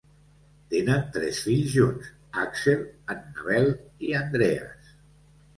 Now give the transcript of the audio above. Tenen tres fills junts, Aksel, Annabelle i Andreas.